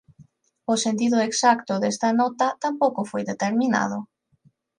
O sentido exacto desta nota tampouco foi determinado.